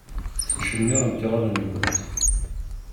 Tettcemmiṛemt iɣallen-nkent.